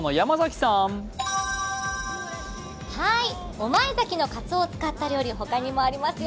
御前崎のカツオを使った料理、ほかにもありますよ。